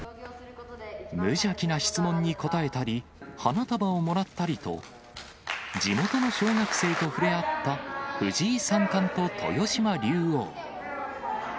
無邪気な質問に答えたり、花束をもらったりと、地元の小学生と触れ合った藤井三冠と豊島竜王。